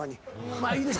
まあいいです。